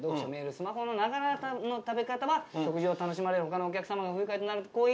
スマホのながらの食べ方は食事を楽しまれる他のお客様の不愉快になる行為。